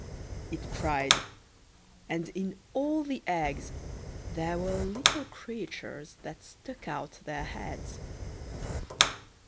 "Piep! Piep!" it cried, and in all the eggs there were little creatures that stuck out their heads.